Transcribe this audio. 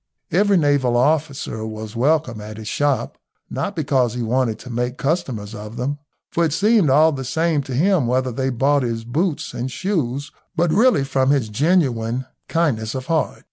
Every naval officer was welcome at his shop, not because he wanted to make customers of them, for it seemed all the same to him whether they bought his boots and shoes, but really from his genuine kindliness of heart.